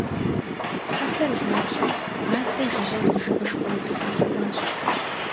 Хьэсэр здапщӀэм, аддэ жыжьэу зы жыгышхуэ иту къалъэгъуащ.